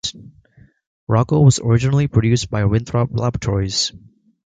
Roccal was originally produced by Winthrop Laboratories.